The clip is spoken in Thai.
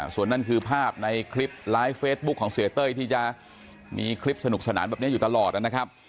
ส่วนนั่นคือภาพในคลิปไลฟ์เฟซบุ๊คของเสียเต้ยที่จะมีคลิปสนุกสนานแบบนี้อยู่ตลอดนะครับ